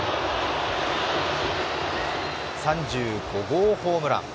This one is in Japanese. ３５号ホームラン。